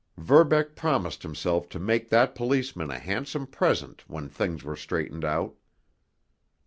Verbeck promised himself to make that policeman a handsome present when things were straightened out.